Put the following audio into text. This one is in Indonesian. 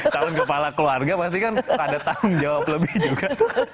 calon kepala keluarga pasti kan ada tanggung jawab lebih juga